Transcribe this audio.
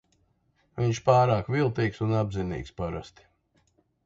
Viņš pārāk viltīgs un apzinīgs parasti.